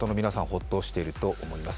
ホッとしていると思います。